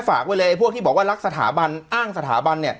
ฝากไว้เลยพวกที่บอกว่ารักสถาบันอ้างสถาบัน